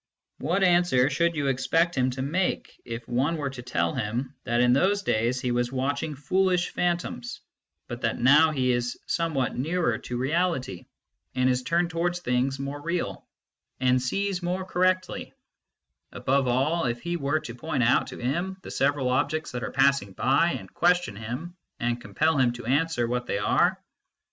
What answer should you expect him to make, if some one were to tell him that in those days he was watching foolish phantoms, but that now he is some what nearer to reality, and is turned towards things more real, and sees more correctly ; above all, if he were to point out to him the several objects that are passing by, and question him, and compel him to answer what they are